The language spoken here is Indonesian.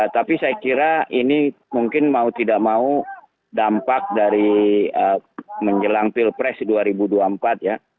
tapi saya kira ini mungkin mau tidak mau dampak dari menjelang pilpres dua ribu dua puluh empat ya